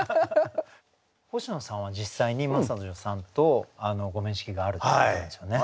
星野さんは実際に真砂女さんとご面識があるということなんですよね。